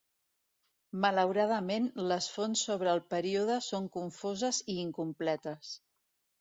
Malauradament les fonts sobre el període són confoses i incompletes.